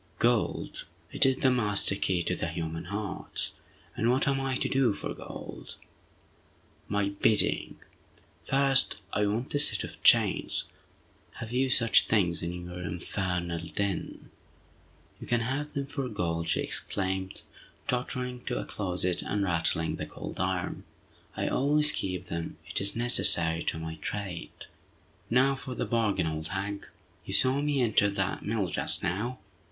"Gold! It is the master key to human hearts! And what am I to do for gold?" "My bidding! First, I want a set of chains! Have you such things in your infernal den?" "You can have them for gold!" she exclaimed, tottering to a closet, and rattling the cold iron. "I always keep them—it is necessary to my trade!" "Now for the bargain, old hag. You saw me enter that mill just now?